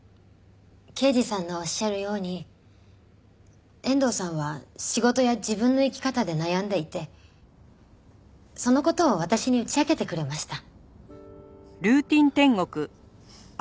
刑事さんのおっしゃるように遠藤さんは仕事や自分の生き方で悩んでいてその事を私に打ち明けてくれました。